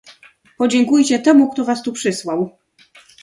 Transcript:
"Podziękujcie temu, kto was tu przysłał."